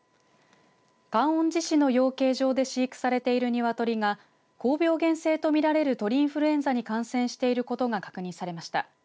観音寺市の養鶏場で飼育されている鶏が高病原性と見られる鳥インフルエンザに感染していることが確認されました。